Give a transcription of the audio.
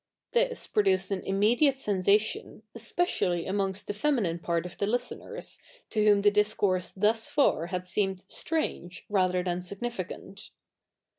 This produced an immediate sensation, especially amongst the feminine part of the listeners, to whom the discourse thus far had seemed strange, rather than significant.